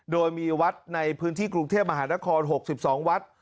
โดยมีวัดในพื้นที่กรุงเทพมหานคร๖๒วัด